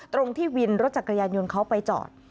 ตรงที่วินรถจักรยานยนต์เขาไปจอด